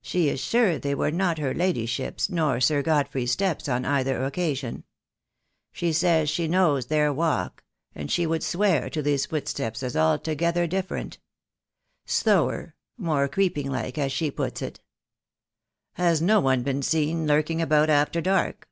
She is sure they were not her ladyship's nor Sir Godfrey's steps on either occasion. She says she knows their walk, and she would swear to these footsteps as altogether dif ferent. Slower, more creeping like, as she puts it." "Has no one been seen lurking about after dark?"